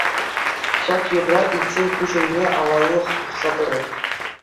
Ҫак юрра илтсен куҫ умне аваллӑх тухса тӑрать.